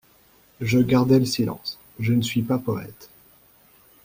Je gardai le silence : je ne suis pas poète.